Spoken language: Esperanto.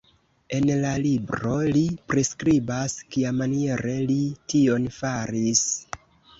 En la libro li priskribas, kiamaniere li tion faris.